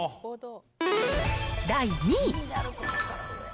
第２位。